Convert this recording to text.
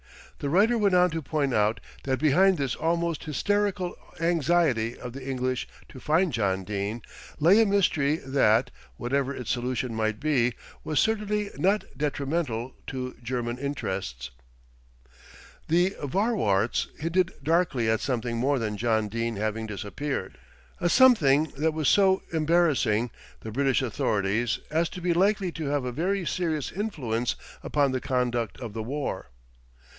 The writer went on to point out that behind this almost hysterical anxiety of the English to find John Dene lay a mystery that, whatever its solution might be, was certainly not detrimental to German interests. The Vorwärts hinted darkly at something more than John Dene having disappeared, a something that was so embarrassing the British authorities, as to be likely to have a very serious influence upon the conduct of the war.